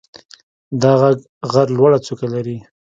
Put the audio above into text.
دا غر لوړه څوکه لري.